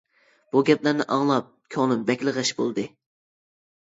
بۇ گەپلەرنى ئاڭلاپ، كۆڭلۈم بەكلا غەش بولدى.